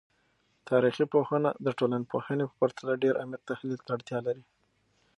تاریخي پوهنه د ټولنپوهنې په پرتله ډیر عمیق تحلیل ته اړتیا لري.